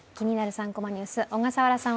３コマニュース」、小笠原さん